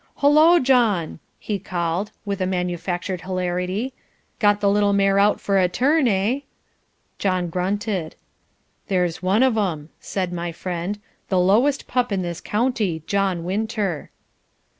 "Hullo, John!" he called, with a manufactured hilarity, "got the little mare out for a turn, eh?" John grunted. "There's one of them," said my friend, "the lowest pup in this county, John Winter."